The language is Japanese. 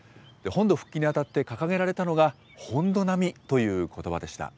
本土復帰にあたって掲げられたのが、本土並みということばでした。